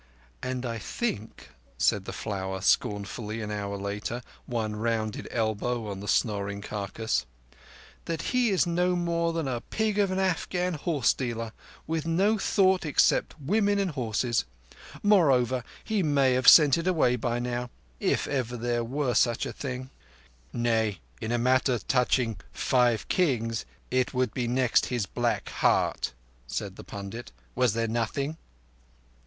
"And I think." said the Flower scornfully an hour later, one rounded elbow on the snoring carcass, "that he is no more than a pig of an Afghan horse dealer, with no thought except women and horses. Moreover, he may have sent it away by now—if ever there were such a thing." "Nay—in a matter touching Five Kings it would be next his black heart," said the pundit. "Was there nothing?"